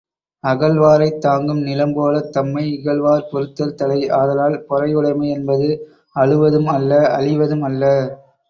அகழ்வாரைத் தாங்கும் நிலம்போலத் தம்மை இகழ்வார்ப் பொறுத்தல் தலை ஆதலால், பொறையுடைமை என்பது அழுவதும் அல்ல அழிவதும் அல்ல.